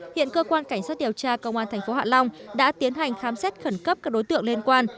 hiện cơ quan cảnh sát điều tra công an tp hạ long đã tiến hành khám xét khẩn cấp các đối tượng liên quan